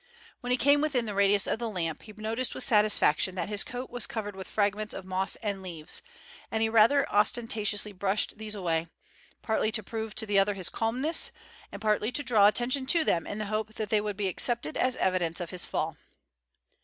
When he came within the radius of the lamp he noticed with satisfaction that his coat was covered with fragments of moss and leaves, and he rather ostentatiously brushed these away, partly to prove to the other his calmness, and partly to draw attention to them in the hope that they would be accepted as evidence of his fall.